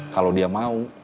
kalau dia mau